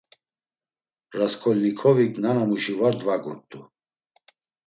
Rasǩolnikovik nanamuşi var dvagurt̆u.